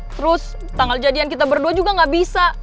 terus tanggal jadian kita berdua juga gak bisa